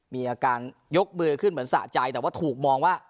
มีอาการยกมือขึ้นเหมือนสะใจแต่ว่าถูกมองว่า